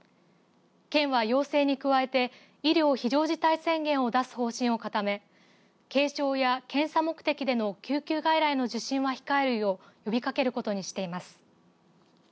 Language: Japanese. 県は要請に加えて医療非常事態宣言を出す方針を固め軽症や検査目的での救急外来の受診は控えるよう呼びかけることにしています。